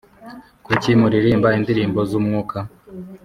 kuki muririmba indirimbo z umwuka